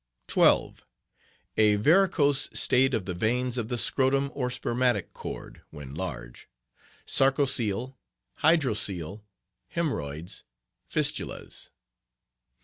12. A varicose state of the veins of the scrotum or spermatic cord (when large), sarcocele, hydroccle, hemorrhoids, fistulas.